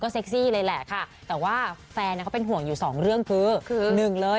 ก็เซ็กซี่เลยแหละแหละค่ะแต่ว่าแฟนเค้าเป็นห่วงอยู่สองเรื่องคือ